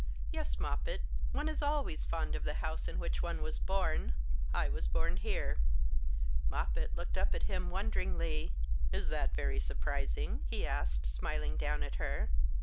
"Yes, Moppet: one is always fond of the house in which one was born. I was born here." Moppet looked up at him wonderingly. "Is that very surprising?" he asked, smiling down at her.